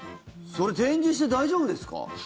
それ展示して大丈夫ですか？